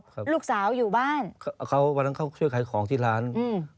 ครับลูกสาวอยู่บ้านเขาวันนั้นเขาช่วยขายของที่ร้านอืม